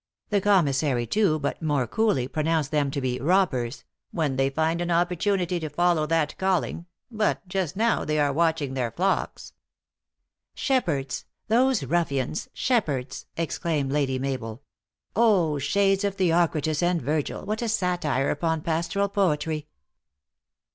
The commissary, too, but more coolly, pronounced them to be robbers, " when they find an opportunity to follow that calling ; but, just now, they are watching their flocks." " Shepherds ! those ruffians, shepherds !" exclaimed Lady Mabel ;" O ! shades of Theocritus and Virgil, what a satire upon pastoral poetry